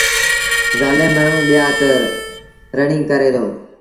زآلم مآڻهوٚݩ ٻيآݩ تي رڙيٚن ڪريدو۔